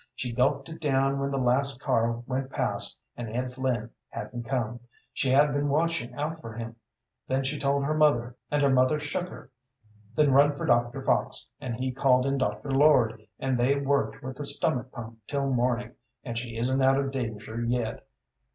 She gulped it down when the last car went past and Ed Flynn hadn't come; she had been watchin' out for him; then she told her mother, and her mother shook her, then run for Dr. Fox, and he called in Dr. Lord, and they worked with a stomach pump till morning, and she isn't out of danger yet.